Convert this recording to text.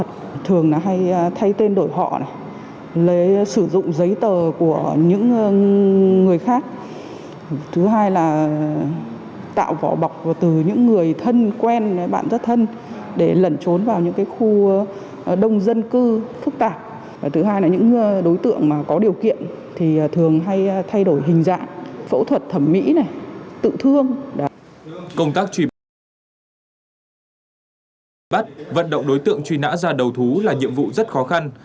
công tác truy bắt vận động đối tượng truy nã ra đầu thú là nhiệm vụ rất khó khăn